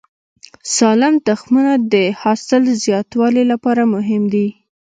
سالم تخمونه د حاصل زیاتوالي لپاره مهم دي.